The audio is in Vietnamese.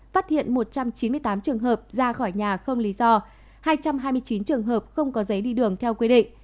phát hiện một trăm chín mươi tám trường hợp ra khỏi nhà không lý do hai trăm hai mươi chín trường hợp không có giấy đi đường theo quy định